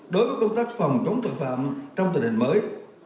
đối với công tác phòng chống tội phạm trong tình hình mới